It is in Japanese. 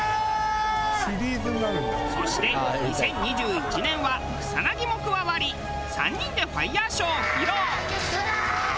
そして２０２１年は草薙も加わり３人でファイヤーショーを披露！